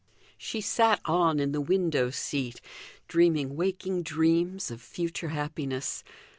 She sat on in the window seat; dreaming waking dreams of future happiness.